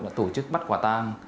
đã tổ chức bắt quả tang